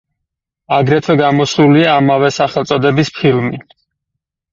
აგრეთვე გამოსულია ამავე სახელწოდების ფილმი.